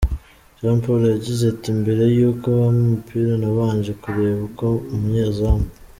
Jean Paul yagize ati “Mbere yuko bampa umupira nabanje kureba uko umunyezamu